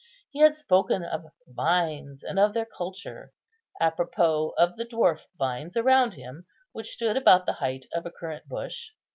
He had spoken of vines and of their culture, apropos of the dwarf vines around him, which stood about the height of a currant bush.